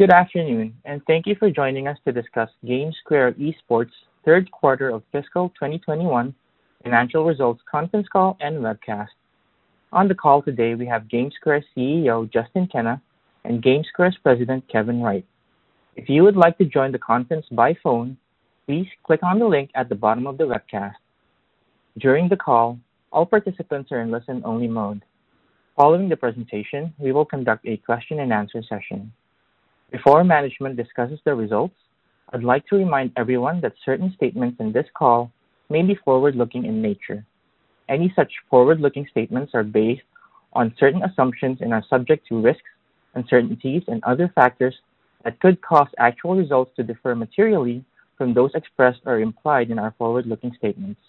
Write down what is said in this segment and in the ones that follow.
Good afternoon, and thank you for joining us to discuss GameSquare Esports third quarter of fiscal 2021 financial results conference call and webcast. On the call today, we have GameSquare CEO Justin Kenna, and GameSquare's President Kevin Wright. If you would like to join the conference by phone, please click on the link at the bottom of the webcast. During the call, all participants are in listen-only mode. Following the presentation, we will conduct a question-and-answer session. Before management discusses the results, I'd like to remind everyone that certain statements in this call may be forward-looking in nature. Any such forward-looking statements are based on certain assumptions and are subject to risks, uncertainties, and other factors that could cause actual results to differ materially from those expressed or implied in our forward-looking statements.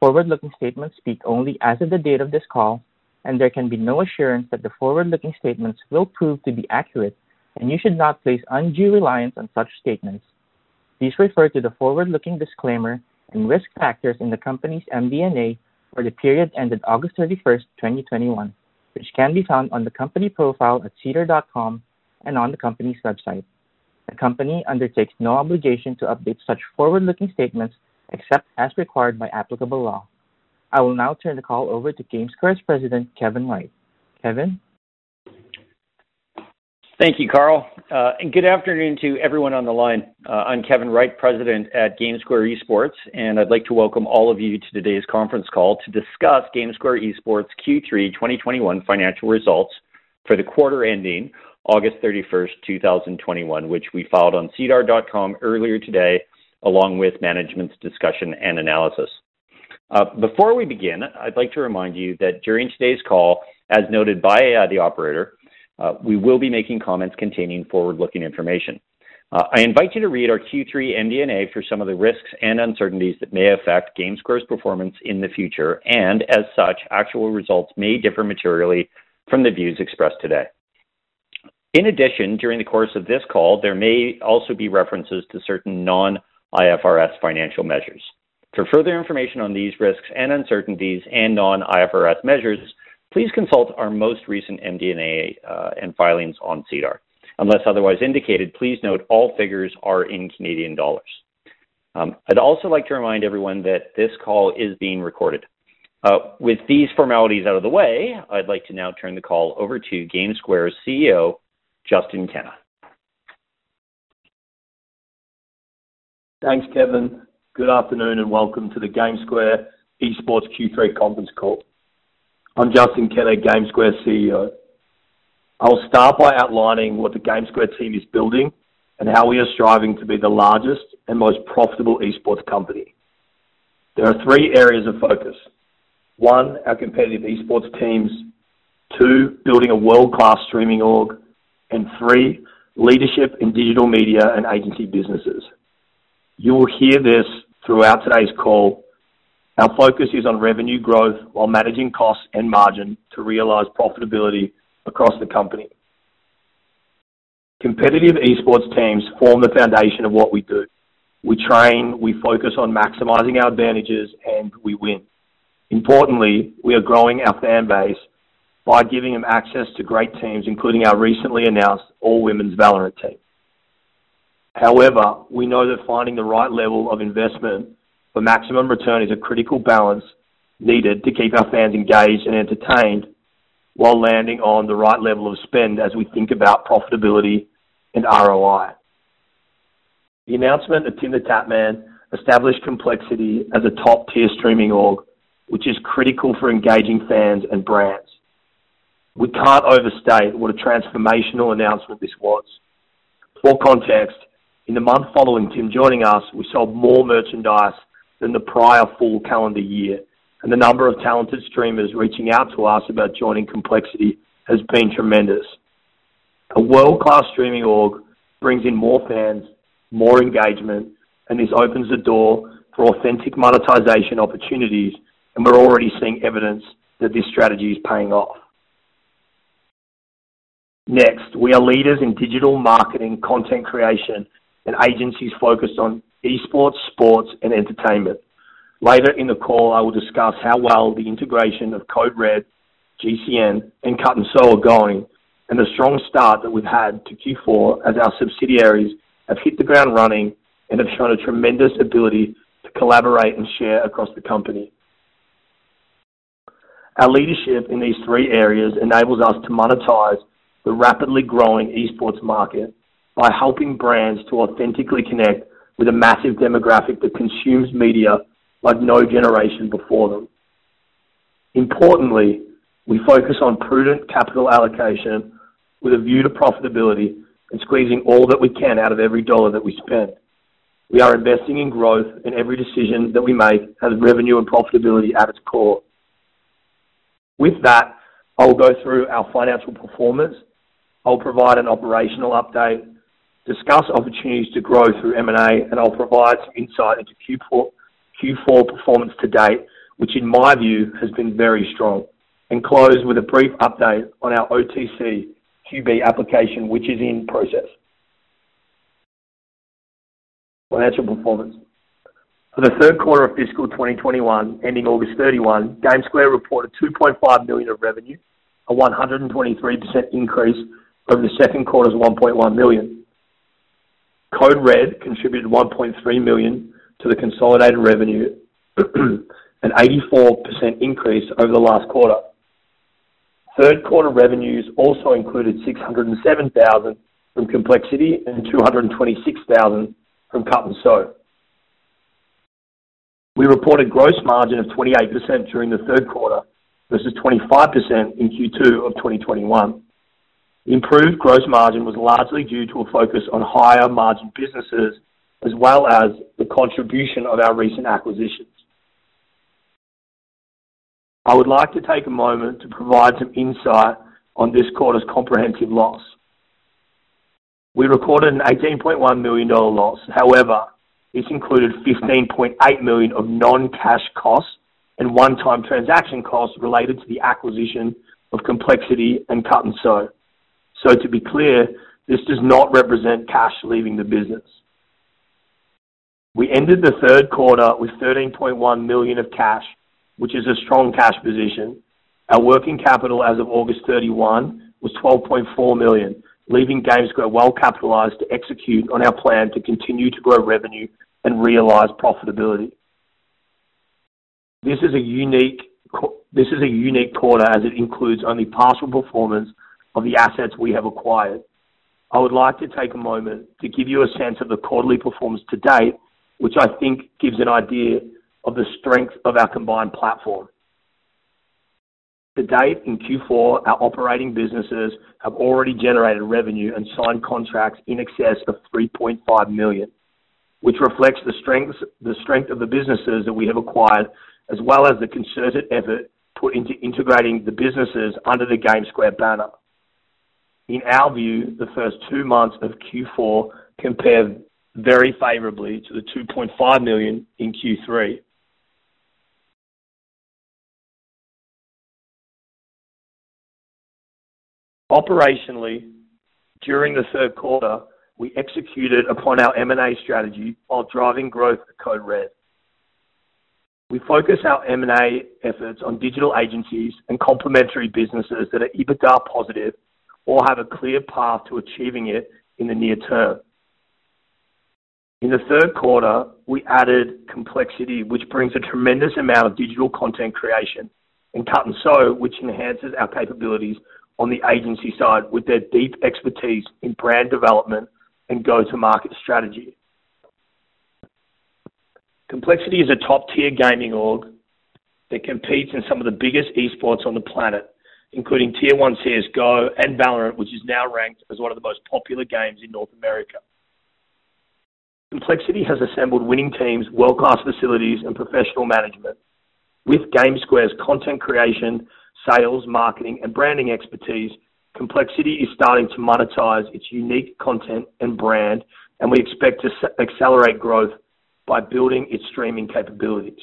Forward-looking statements speak only as of the date of this call, and there can be no assurance that the forward-looking statements will prove to be accurate, and you should not place undue reliance on such statements. Please refer to the forward-looking disclaimer and risk factors in the company's MD&A for the period ended August 31, 2021, which can be found on the company profile at sedar.com and on the company's website. The company undertakes no obligation to update such forward-looking statements except as required by applicable law. I will now turn the call over to GameSquare's President, Kevin Wright. Kevin. Thank you, Carl. Good afternoon to everyone on the line. I'm Kevin Wright, President at GameSquare Esports, and I'd like to welcome all of you to today's conference call to discuss GameSquare Esports Q3 2021 financial results for the quarter ending August 31st, 2021, which we filed on sedar.com earlier today, along with management's discussion and analysis. Before we begin, I'd like to remind you that during today's call, as noted by the operator, we will be making comments containing forward-looking information. I invite you to read our Q3 MD&A for some of the risks and uncertainties that may affect GameSquare's performance in the future. As such, actual results may differ materially from the views expressed today. In addition, during the course of this call, there may also be references to certain non-IFRS financial measures. For further information on these risks and uncertainties and non-IFRS measures, please consult our most recent MD&A and filings on SEDAR. Unless otherwise indicated, please note all figures are in Canadian dollars. I'd also like to remind everyone that this call is being recorded. With these formalities out of the way, I'd like to now turn the call over to GameSquare's CEO, Justin Kenna. Thanks, Kevin. Good afternoon, and welcome to the GameSquare Esports Q3 conference call. I'm Justin Kenna, GameSquare's CEO. I'll start by outlining what the GameSquare team is building and how we are striving to be the largest and most profitable esports company. There are three areas of focus. One, our competitive esports teams. Two, building a world-class streaming org. Three, leadership in digital media and agency businesses. You will hear this throughout today's call. Our focus is on revenue growth while managing costs and margin to realize profitability across the company. Competitive esports teams form the foundation of what we do. We train, we focus on maximizing our advantages, and we win. Importantly, we are growing our fan base by giving them access to great teams, including our recently announced all-women's Valorant team. However, we know that finding the right level of investment for maximum return is a critical balance needed to keep our fans engaged and entertained while landing on the right level of spend as we think about profitability and ROI. The announcement of TimTheTatman established Complexity as a top-tier streaming org, which is critical for engaging fans and brands. We can't overstate what a transformational announcement this was. For context, in the month following Tim joining us, we sold more merchandise than the prior full calendar year, and the number of talented streamers reaching out to us about joining Complexity has been tremendous. A world-class streaming org brings in more fans, more engagement, and this opens the door for authentic monetization opportunities, and we're already seeing evidence that this strategy is paying off. Next, we are leaders in digital marketing, content creation, and agencies focused on esports, sports and entertainment. Later in the call, I will discuss how well the integration of Code Red, GCN, and Cut+Sew are going and the strong start that we've had to Q4 as our subsidiaries have hit the ground running and have shown a tremendous ability to collaborate and share across the company. Our leadership in these three areas enables us to monetize the rapidly growing esports market by helping brands to authentically connect with a massive demographic that consumes media like no generation before them. Importantly, we focus on prudent capital allocation with a view to profitability and squeezing all that we can out of every dollar that we spend. We are investing in growth, and every decision that we make has revenue and profitability at its core. With that, I will go through our financial performance. I'll provide an operational update, discuss opportunities to grow through M&A, and I'll provide some insight into Q4 performance to date, which in my view has been very strong. Close with a brief update on our OTCQB application, which is in process. Financial performance. For the third quarter of fiscal 2021 ending August 31, GameSquare reported 2.5 million of revenue, a 123% increase from the second quarter's 1.1 million. Code Red contributed 1.3 million to the consolidated revenue, an 84% increase over the last quarter. Third quarter revenues also included 607,000 from Complexity and 226,000 from Cut+Sew. We reported gross margin of 28% during the third quarter versus 25% in Q2 of 2021. Improved gross margin was largely due to a focus on higher margin businesses as well as the contribution of our recent acquisitions. I would like to take a moment to provide some insight on this quarter's comprehensive loss. We recorded a 18.1 million dollar loss. However, this included 15.8 million of non-cash costs and one-time transaction costs related to the acquisition of Complexity and Cut+Sew. To be clear, this does not represent cash leaving the business. We ended the third quarter with 13.1 million of cash, which is a strong cash position. Our working capital as of August 31 was 12.4 million, leaving GameSquare well capitalized to execute on our plan to continue to grow revenue and realize profitability. This is a unique quarter as it includes only partial performance of the assets we have acquired. I would like to take a moment to give you a sense of the quarterly performance to date, which I think gives an idea of the strength of our combined platform. To date in Q4, our operating businesses have already generated revenue and signed contracts in excess of 3.5 million, which reflects the strength of the businesses that we have acquired as well as the concerted effort put into integrating the businesses under the GameSquare banner. In our view, the first two months of Q4 compare very favorably to the 2.5 million in Q3. Operationally, during the third quarter, we executed upon our M&A strategy while driving growth at Code Red. We focus our M&A efforts on digital agencies and complementary businesses that are EBITDA positive or have a clear path to achieving it in the near term. In the third quarter, we added Complexity, which brings a tremendous amount of digital content creation, and Cut+Sew, which enhances our capabilities on the agency side with their deep expertise in brand development and go-to-market strategy. Complexity is a top-tier gaming org that competes in some of the biggest esports on the planet, including Tier One CS:GO and Valorant, which is now ranked as one of the most popular games in North America. Complexity has assembled winning teams, world-class facilities and professional management. With GameSquare's content creation, sales, marketing, and branding expertise, Complexity is starting to monetize its unique content and brand, and we expect to accelerate growth by building its streaming capabilities.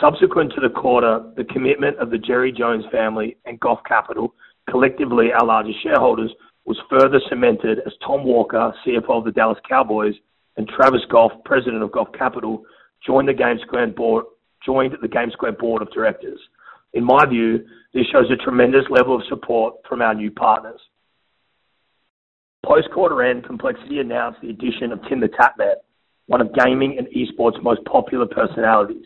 Subsequent to the quarter, the commitment of the Jerry Jones family and Goff Capital, collectively our largest shareholders, was further cemented as Tom Walker, CFO of the Dallas Cowboys, and Travis Goff, President of Goff Capital, joined the GameSquare board of directors. In my view, this shows a tremendous level of support from our new partners. Post quarter end, Complexity announced the addition of TimTheTatman, one of gaming and esports most popular personalities.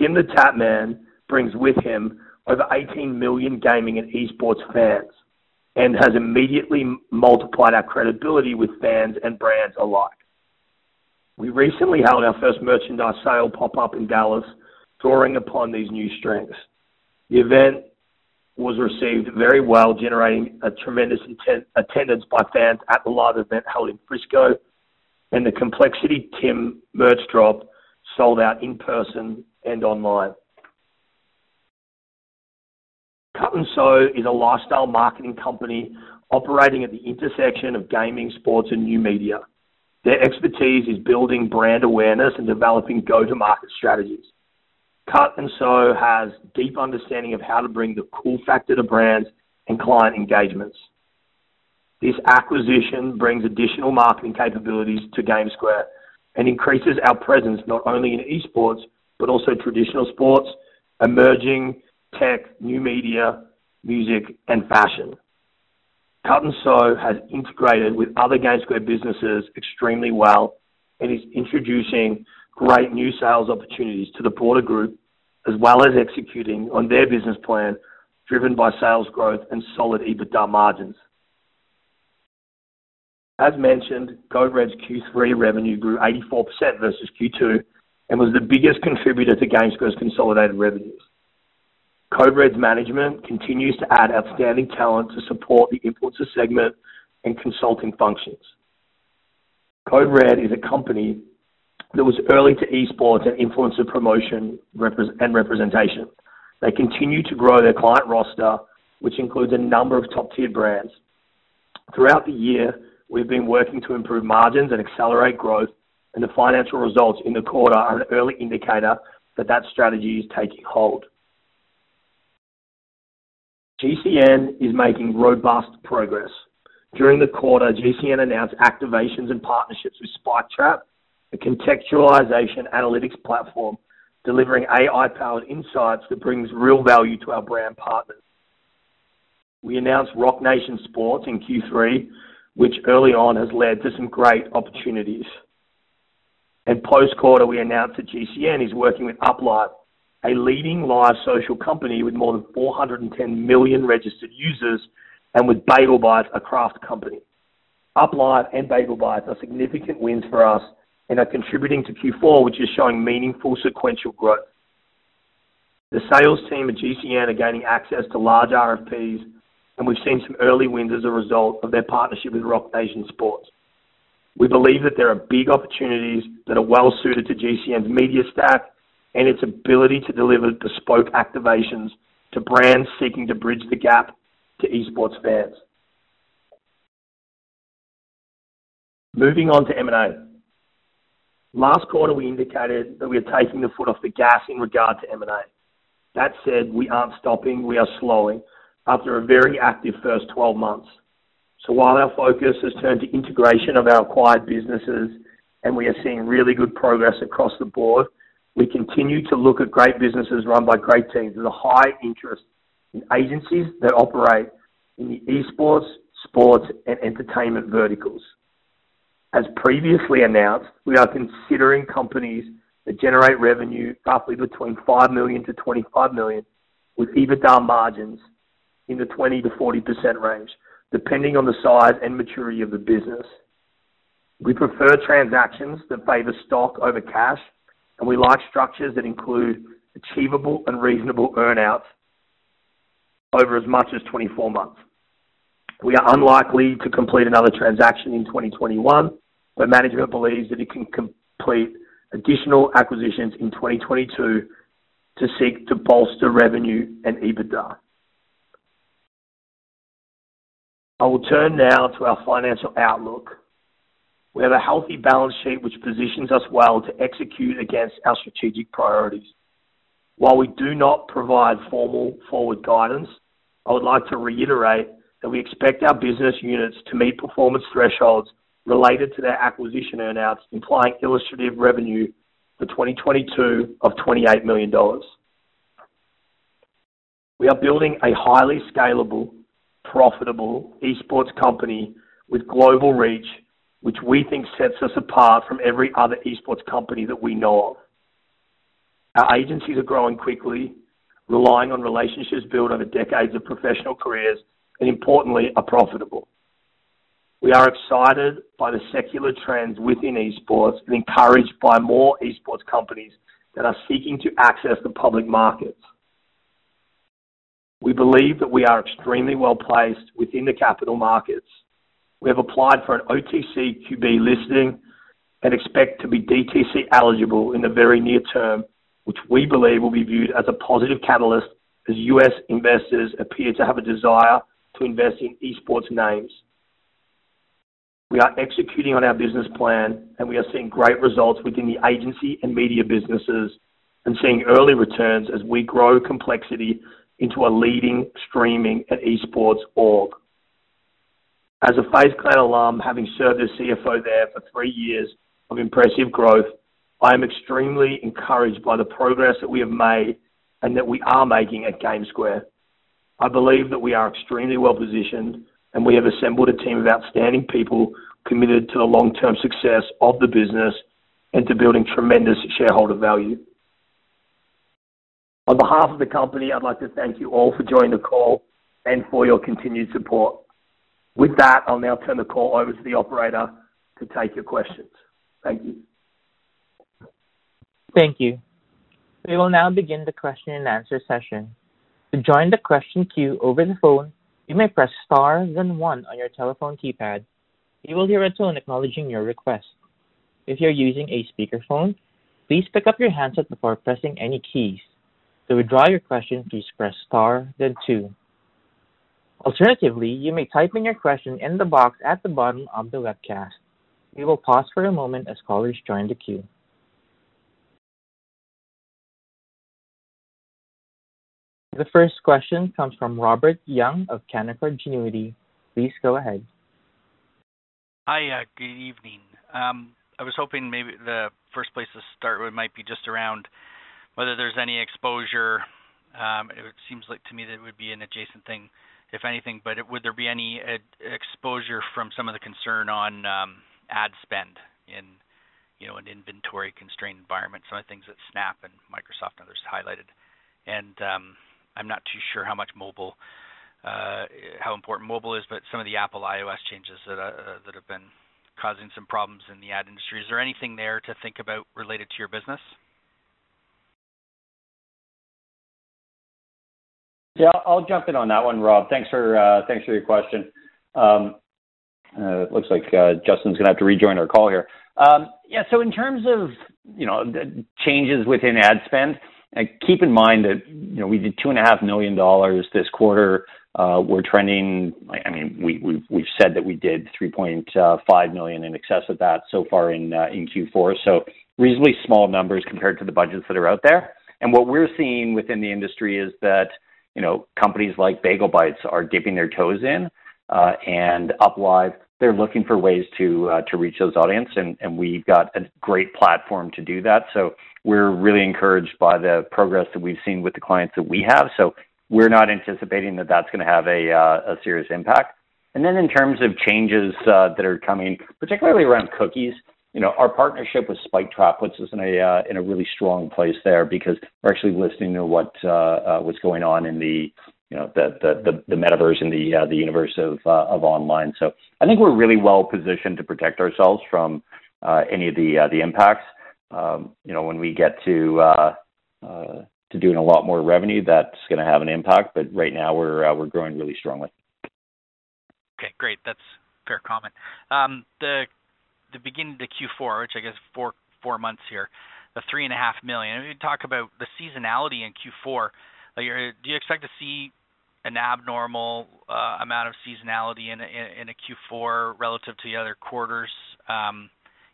TimTheTatman brings with him over 18 million gaming and esports fans and has immediately multiplied our credibility with fans and brands alike. We recently held our first merchandise sale pop-up in Dallas drawing upon these new strengths. The event was received very well, generating a tremendous attendance by fans at the live event held in Frisco, and the Complexity Tim merch drop sold out in person and online. Cut+Sew is a lifestyle marketing company operating at the intersection of gaming, sports, and new media. Their expertise is building brand awareness and developing go-to-market strategies. Cut+Sew has deep understanding of how to bring the cool factor to brands and client engagements. This acquisition brings additional marketing capabilities to GameSquare and increases our presence not only in esports but also traditional sports, emerging tech, new media, music, and fashion. Cut+Sew has integrated with other GameSquare businesses extremely well and is introducing great new sales opportunities to the broader group as well as executing on their business plan driven by sales growth and solid EBITDA margins. As mentioned, Code Red's Q3 revenue grew 84% versus Q2 and was the biggest contributor to GameSquare's consolidated revenues. Code Red's management continues to add outstanding talent to support the influencer segment and consulting functions. Code Red is a company that was early to esports and influencer promotion and representation. They continue to grow their client roster, which includes a number of top-tier brands. Throughout the year, we've been working to improve margins and accelerate growth, and the financial results in the quarter are an early indicator that strategy is taking hold. GCN is making robust progress. During the quarter, GCN announced activations and partnerships with Spiketrap, a contextualization analytics platform delivering AI-powered insights that brings real value to our brand partners. We announced Roc Nation Sports in Q3, which early on has led to some great opportunities. Post-quarter, we announced that GCN is working with Uplive, a leading live social company with more than 410 million registered users, and with Bagel Bites, a Kraft company. Uplive and Bagel Bites are significant wins for us and are contributing to Q4, which is showing meaningful sequential growth. The sales team at GCN are gaining access to large RFPs, and we've seen some early wins as a result of their partnership with Roc Nation Sports. We believe that there are big opportunities that are well-suited to GCN's media stack and its ability to deliver bespoke activations to brands seeking to bridge the gap to esports fans. Moving on to M&A. Last quarter, we indicated that we are taking the foot off the gas in regard to M&A. That said, we aren't stopping. We are slowing after a very active first 12-months. While our focus has turned to integration of our acquired businesses and we are seeing really good progress across the board, we continue to look at great businesses run by great teams with a high interest in agencies that operate in the esports, sports, and entertainment verticals. As previously announced, we are considering companies that generate revenue roughly between 5 million-25 million, with EBITDA margins in the 20%-40% range, depending on the size and maturity of the business. We prefer transactions that favor stock over cash, and we like structures that include achievable and reasonable earn-outs over as much as 24 months. We are unlikely to complete another transaction in 2021, but management believes that it can complete additional acquisitions in 2022 to seek to bolster revenue and EBITDA. I will turn now to our financial outlook. We have a healthy balance sheet which positions us well to execute against our strategic priorities. While we do not provide formal forward guidance, I would like to reiterate that we expect our business units to meet performance thresholds related to their acquisition earn-outs, implying illustrative revenue for 2022 of 28 million dollars. We are building a highly scalable, profitable esports company with global reach, which we think sets us apart from every other esports company that we know of. Our agencies are growing quickly, relying on relationships built over decades of professional careers, and importantly, are profitable. We are excited by the secular trends within esports and encouraged by more esports companies that are seeking to access the public markets. We believe that we are extremely well-placed within the capital markets. We have applied for an OTCQB listing and expect to be DTC eligible in the very near term, which we believe will be viewed as a positive catalyst as U.S. investors appear to have a desire to invest in esports names. We are executing on our business plan, and we are seeing great results within the agency and media businesses and seeing early returns as we grow Complexity into a leading streaming and esports org. As a FaZe Clan alum, having served as CFO there for three years of impressive growth, I am extremely encouraged by the progress that we have made and that we are making at GameSquare. I believe that we are extremely well-positioned, and we have assembled a team of outstanding people committed to the long-term success of the business and to building tremendous shareholder value. On behalf of the company, I'd like to thank you all for joining the call and for your continued support. With that, I'll now turn the call over to the operator to take your questions. Thank you. Thank you. We will now begin the question and answer session. To join the question queue over the phone, you may press star, then one on your telephone keypad. You will hear a tone acknowledging your request. If you are using a speakerphone, please pick up your handset before pressing any keys. To withdraw your question, please press star then two. Alternatively, you may type in your question in the box at the bottom of the webcast. We will pause for a moment as callers join the queue. The first question comes from Robert Young of Canaccord Genuity. Please go ahead. Hi. Good evening. I was hoping maybe the first place to start might be just around whether there's any exposure. It seems like to me that it would be an adjacent thing, if anything, but would there be any exposure from some of the concern on, ad spend in, you know, an inventory-constrained environment? Some of the things that Snap and Microsoft others highlighted, and, I'm not too sure how much mobile, how important mobile is, but some of the Apple iOS changes that have been causing some problems in the ad industry. Is there anything there to think about related to your business? Yeah, I'll jump in on that one, Rob. Thanks for your question. It looks like Justin's gonna have to rejoin our call here. Yeah, so in terms of, you know, changes within ad spend, keep in mind that, you know, we did 2.5 million dollars this quarter. We're trending, I mean, we've said that we did 3.5 million in excess of that so far in Q4. So reasonably small numbers compared to the budgets that are out there. What we're seeing within the industry is that you know, companies like Bagel Bites are dipping their toes in and Uplive; they're looking for ways to reach those audiences, and we've got a great platform to do that. We're really encouraged by the progress that we've seen with the clients that we have. We're not anticipating that that's gonna have a serious impact. Then in terms of changes that are coming, particularly around cookies, you know, our partnership with Spiketrap puts us in a really strong place there because we're actually listening to what's going on in the, you know, the metaverse in the universe of online. I think we're really well positioned to protect ourselves from any of the impacts. You know, when we get to doing a lot more revenue, that's gonna have an impact. Right now, we're growing really strongly. Okay, great. That's fair comment. The beginning of the Q4, which I guess four months here, the 3.5 million. Can you talk about the seasonality in Q4? Do you expect to see an abnormal amount of seasonality in a Q4 relative to the other quarters,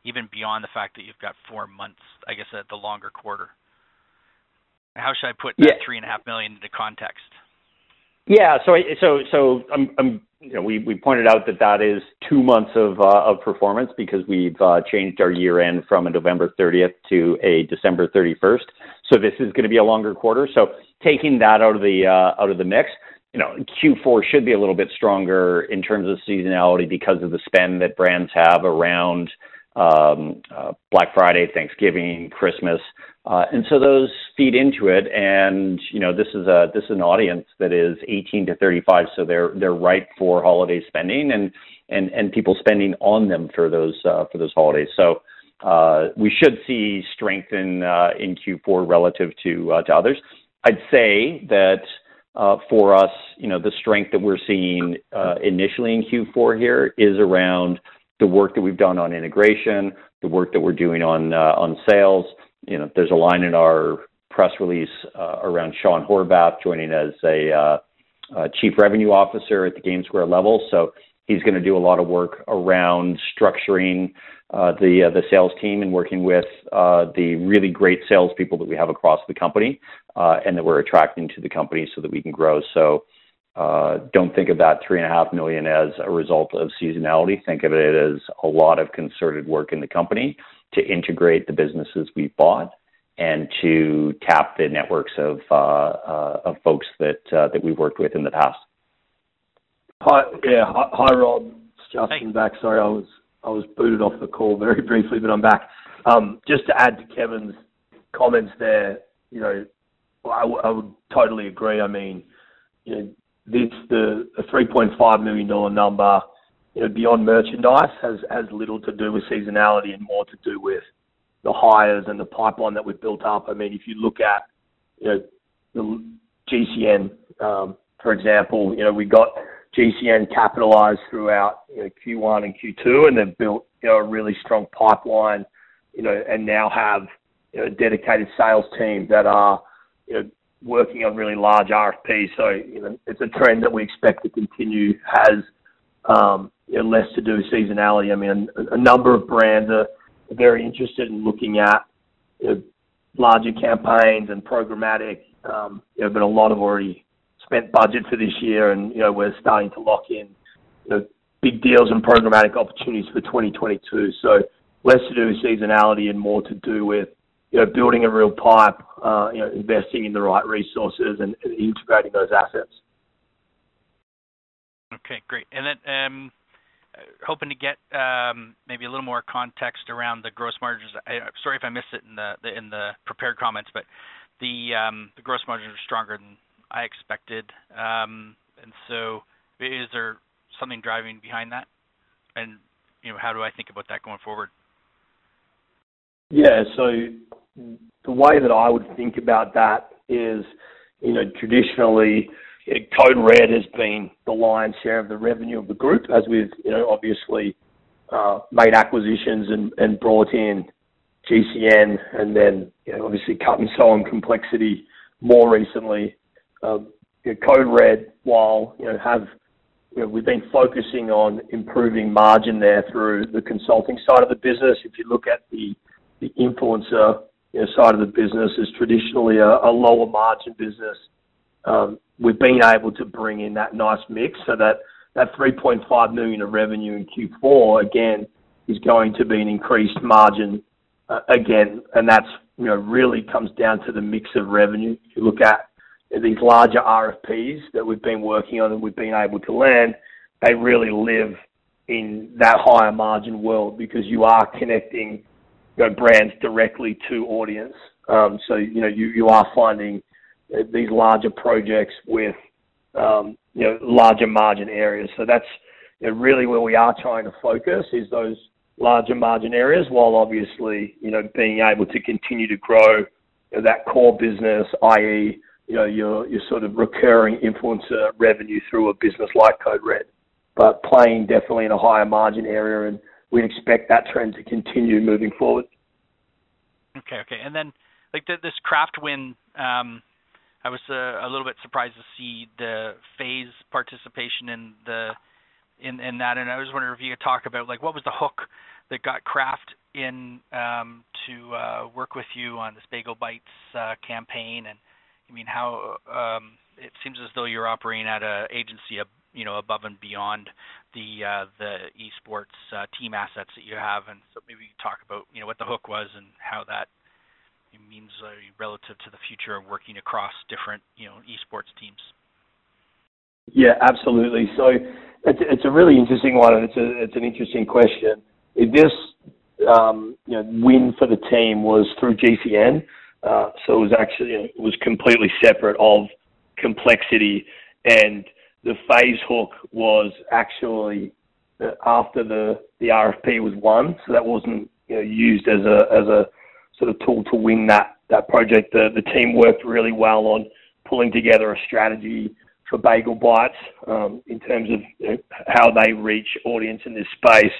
even beyond the fact that you've got four months, I guess, at the longer quarter? How should I put- Yeah. that 3.5 million into context? So, you know, we pointed out that is two months of performance because we've changed our year-end from a November 30th to a December 31st. This is gonna be a longer quarter. Taking that out of the mix, you know, Q4 should be a little bit stronger in terms of seasonality because of the spend that brands have around Black Friday, Thanksgiving, Christmas. Those feed into it. You know, this is an audience that is 18 to 35, so they're ripe for holiday spending and people spending on them for those holidays. We should see strength in Q4 relative to others. I'd say that, for us, you know, the strength that we're seeing initially in Q4 here is around the work that we've done on integration, the work that we're doing on sales. You know, there's a line in our press release around Sean Horvath joining as a Chief Revenue Officer at the GameSquare level. He's gonna do a lot of work around structuring the sales team and working with the really great salespeople that we have across the company and that we're attracting to the company so that we can grow. Don't think of that 3.5 million as a result of seasonality. Think of it as a lot of concerted work in the company to integrate the businesses we've bought and to tap the networks of folks that we've worked with in the past. Hi. Yeah. Hi, Rob. Hey. It's Justin back. Sorry, I was booted off the call very briefly, but I'm back. Just to add to Kevin's comments there, you know, I would totally agree. I mean, you know, this a 3.5 million dollar number, you know, beyond merchandise has little to do with seasonality and more to do with the hires and the pipeline that we've built up. I mean, if you look at, you know, GCN for example, you know, we got GCN capitalized throughout, you know, Q1 and Q2, and then built, you know, a really strong pipeline, you know, and now have, you know, dedicated sales teams that are, you know, working on really large RFPs. You know, it's a trend that we expect to continue, has less to do with seasonality. I mean, a number of brands are very interested in looking at, you know, larger campaigns and programmatic, you know, but a lot have already spent budget for this year and, you know, we're starting to lock in, you know, big deals and programmatic opportunities for 2022. Less to do with seasonality and more to do with, you know, building a real pipeline, you know, investing in the right resources and integrating those assets. Okay, great. Hoping to get maybe a little more context around the gross margins. I'm sorry if I missed it in the prepared comments, but the gross margins are stronger than I expected. Is there something driving behind that? You know, how do I think about that going forward? Yeah. The way that I would think about that is, you know, traditionally, Code Red has been the lion's share of the revenue of the group as we've, you know, obviously made acquisitions and brought in GCN and then, you know, obviously Cut+Sew on complexity more recently. Code Red, while we've been focusing on improving margin there through the consulting side of the business. If you look at the influencer side of the business is traditionally a lower margin business. We've been able to bring in that nice mix so that 3.5 million of revenue in Q4, again, is going to be an increased margin, again. That's, you know, really comes down to the mix of revenue. If you look at these larger RFPs that we've been working on and we've been able to land, they really live in that higher margin world because you are connecting your brands directly to audience. So, you know, you are finding these larger projects with, you know, larger margin areas. So that's, you know, really where we are trying to focus is those larger margin areas, while obviously, you know, being able to continue to grow that core business, i.e., you know, your sort of recurring influencer revenue through a business like Code Red. But playing definitely in a higher margin area, and we expect that trend to continue moving forward. Okay, okay. Then, like, this Kraft, I was a little bit surprised to see the participation in that. I was wondering if you could talk about like, what was the hook that got Kraft in to work with you on this Bagel Bites campaign? I mean, how it seems as though you're operating as an agency, you know, above and beyond the esports team assets that you have. So maybe you could talk about, you know, what the hook was and what that means relative to the future of working across different, you know, esports teams. Yeah, absolutely. It's a really interesting one, and it's an interesting question. This, you know, win for the team was through GCN, so it was actually completely separate of Complexity and the FaZe hook was actually after the RFP was won, so that wasn't, you know, used as a sort of tool to win that project. The team worked really well on pulling together a strategy for Bagel Bites, in terms of how they reach audience in this space,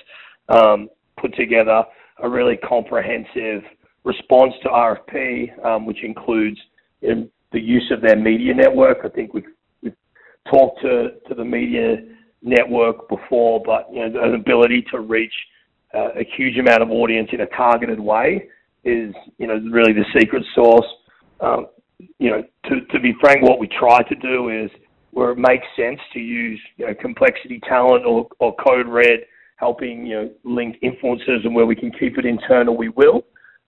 put together a really comprehensive response to RFP, which includes the use of their media network. I think we've talked to the media network before, but you know, the ability to reach a huge amount of audience in a targeted way is you know, really the secret sauce. You know, to be frank, what we try to do is where it makes sense to use, you know, Complexity talent or Code Red helping, you know, link influencers and where we can keep it internal, we will.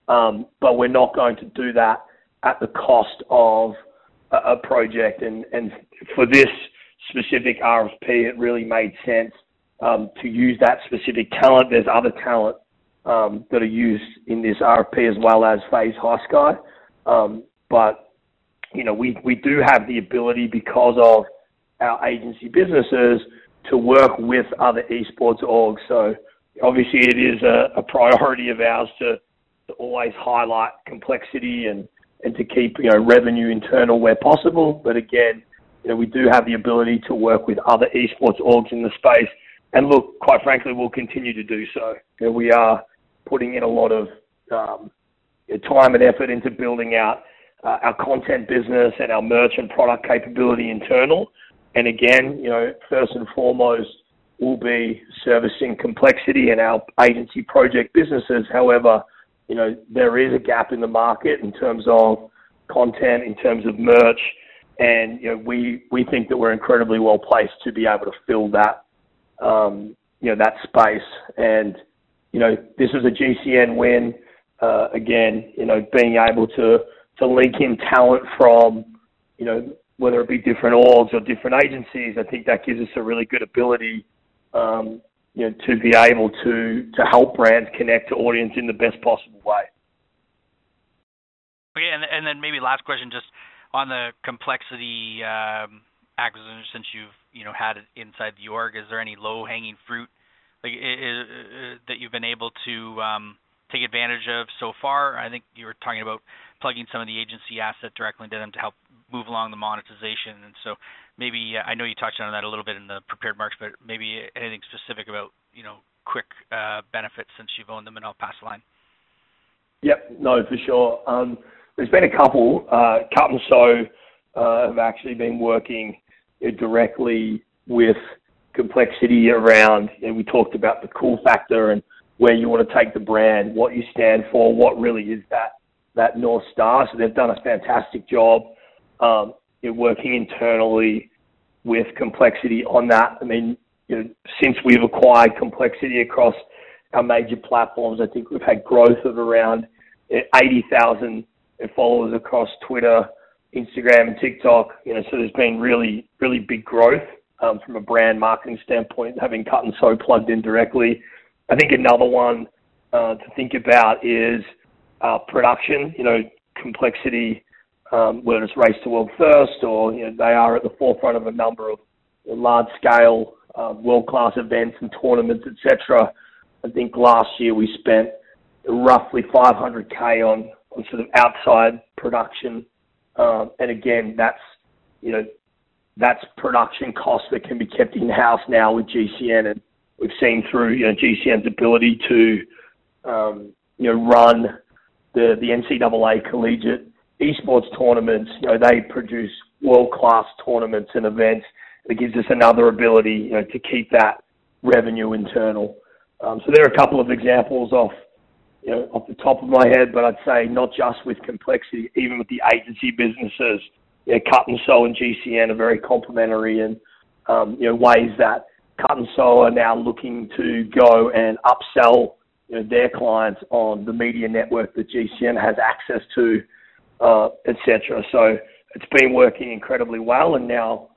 We're not going to do that at the cost of a project. For this specific RFP, it really made sense to use that specific talent. There's other talent that are used in this RFP as well as FaZe High Sky. You know, we do have the ability, because of our agency businesses, to work with other esports orgs. Obviously it is a priority of ours to always highlight Complexity and to keep, you know, revenue internal where possible. Again, you know, we do have the ability to work with other esports orgs in the space. Look, quite frankly, we'll continue to do so. You know, we are putting in a lot of time and effort into building out our content business and our merchant product capability internal. Again, you know, first and foremost, we'll be servicing Complexity and our agency project businesses. However, you know, there is a gap in the market in terms of content, in terms of merch, and, you know, we think that we're incredibly well-placed to be able to fill that, you know, that space. You know, this was a GCN win, again, you know, being able to link in talent from, you know, whether it be different orgs or different agencies. I think that gives us a really good ability, you know, to be able to help brands connect to audience in the best possible way. Okay. Then maybe last question, just on the Complexity acquisition, since you've, you know, had it inside the org, is there any low-hanging fruit, like that you've been able to take advantage of so far? I think you were talking about plugging some of the agency asset directly into them to help move along the monetization. Maybe, I know you touched on that a little bit in the prepared remarks, but maybe anything specific about, you know, quick benefits since you've owned them and I'll pass the line. Yep, no, for sure. There's been a couple. Cut+Sew have actually been working directly with Complexity around, you know, we talked about the cool factor and where you wanna take the brand, what you stand for, what really is that North Star. They've done a fantastic job in working internally with Complexity on that. I mean, you know, since we've acquired Complexity across our major platforms, I think we've had growth of around 80,000 followers across Twitter, Instagram, and TikTok. You know, there's been really big growth from a brand marketing standpoint, having Cut+Sew plugged in directly. I think another one to think about is production. You know, Complexity, whether it's Race to World First or, you know, they are at the forefront of a number of large scale, world-class events and tournaments, et cetera. I think last year we spent roughly 500,000 on sort of outside production. Again, that's, you know, that's production costs that can be kept in-house now with GCN. We've seen through, you know, GCN's ability to, you know, run the NCAA collegiate esports tournaments. You know, they produce world-class tournaments and events that gives us another ability, you know, to keep that revenue internal. There are a couple of examples off the top of my head, but I'd say not just with Complexity, even with the agency businesses. You know, Cut+Sew and GCN are very complementary in, you know, ways that Cut+Sew are now looking to go and upsell, you know, their clients on the media network that GCN has access to, et cetera. It's been working incredibly well. Now,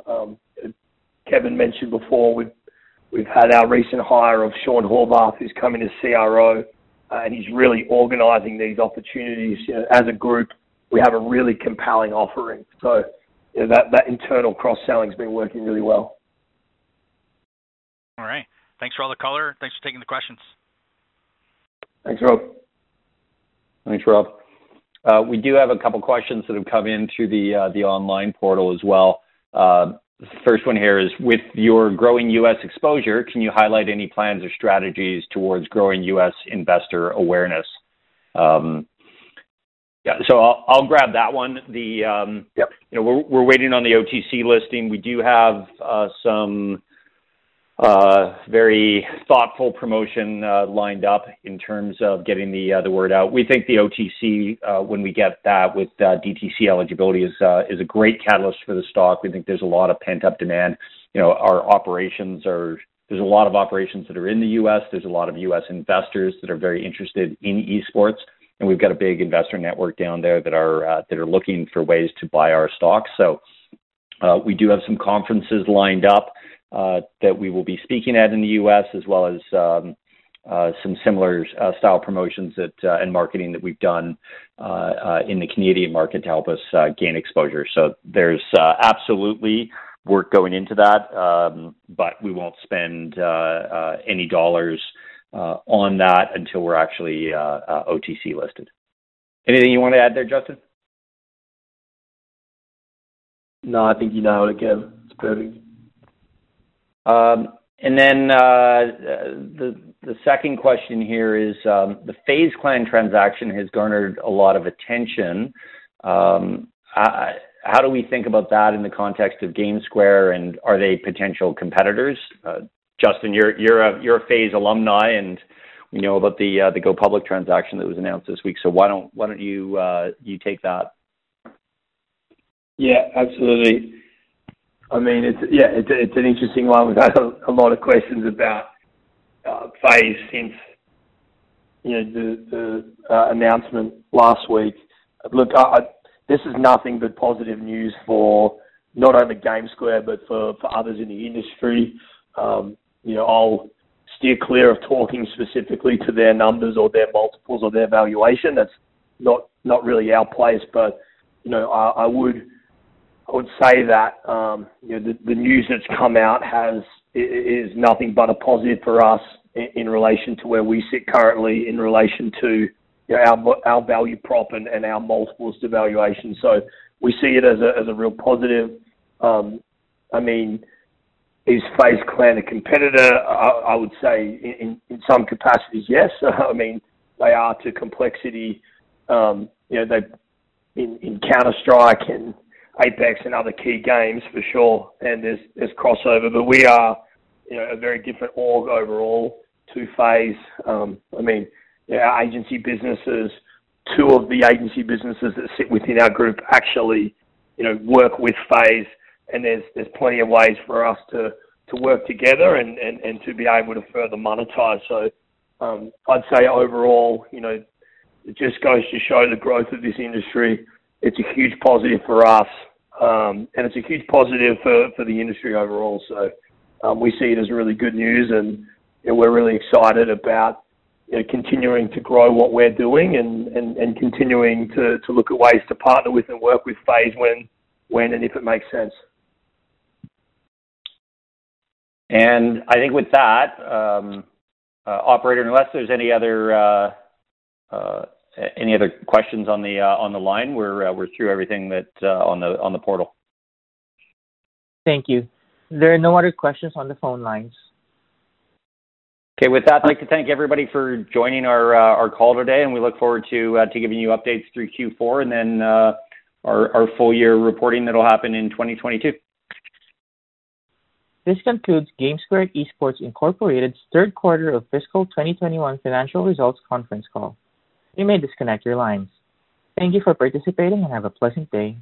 Kevin mentioned before, we've had our recent hire of Sean Horvath, who's come in as CRO, and he's really organizing these opportunities. You know, as a group, we have a really compelling offering. You know, that internal cross-selling has been working really well. All right. Thanks for all the color. Thanks for taking the questions. Thanks, Rob. Thanks, Rob. We do have a couple questions that have come in through the online portal as well. The first one here is, with your growing U.S. exposure, can you highlight any plans or strategies towards growing U.S. investor awareness. I'll grab that one. The Yep. You know, we're waiting on the OTC listing. We do have some very thoughtful promotion lined up in terms of getting the word out. We think the OTC, when we get that with DTC eligibility is a great catalyst for the stock. We think there's a lot of pent-up demand. You know, our operations are. There's a lot of operations that are in the U.S., there's a lot of U.S. investors that are very interested in esports, and we've got a big investor network down there that are looking for ways to buy our stocks. We do have some conferences lined up that we will be speaking at in the U.S. as well as some similar style promotions and marketing that we've done in the Canadian market to help us gain exposure. There's absolutely work going into that, but we won't spend any dollars on that until we're actually OTC listed. Anything you wanna add there, Justin? No, I think you nailed it, Kev. It's perfect. The second question here is, the FaZe Clan transaction has garnered a lot of attention. How do we think about that in the context of GameSquare, and are they potential competitors? Justin, you're a FaZe alumni, and we know about the go public transaction that was announced this week, so why don't you take that? Yeah, absolutely. I mean, it's an interesting one. We've had a lot of questions about FaZe since, you know, the announcement last week. Look, this is nothing but positive news for not only GameSquare, but for others in the industry. You know, I'll steer clear of talking specifically to their numbers or their multiples or their valuation. That's not really our place. You know, I would say that, you know, the news that's come out is nothing but a positive for us in relation to where we sit currently in relation to, you know, our value prop and our multiples to valuation. We see it as a real positive. I mean, is FaZe Clan a competitor? I would say in some capacities, yes. I mean, they are to Complexity, you know, in Counter Strike and Apex and other key games for sure, and there's crossover. We are, you know, a very different org overall to FaZe. I mean, they are agency businesses. Two of the agency businesses that sit within our group actually, you know, work with FaZe, and there's plenty of ways for us to work together and to be able to further monetize. I'd say overall, you know, it just goes to show the growth of this industry. It's a huge positive for us, and it's a huge positive for the industry overall. We see it as really good news and, you know, we're really excited about, you know, continuing to grow what we're doing and continuing to look at ways to partner with and work with FaZe when and if it makes sense. I think with that, operator, unless there's any other questions on the line, we're through everything on the portal. Thank you. There are no other questions on the phone lines. Okay. With that, I'd like to thank everybody for joining our call today, and we look forward to giving you updates through Q4 and then our full year reporting that'll happen in 2022. This concludes GameSquare Esports Inc.'s third quarter of fiscal 2021 financial results conference call. You may disconnect your lines. Thank you for participating and have a pleasant day.